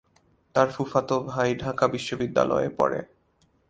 তার ফুফাতো ভাই ঢাকা বিশ্ববিদ্যালয়ে পড়ে।